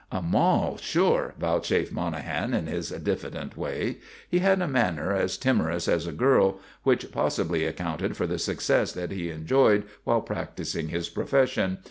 "A moll, sure," vouchsafed Monahan in his diffident way. He had a manner as timorous as a girl, which possibly accounted for the success that he enjoyed while practising his profession.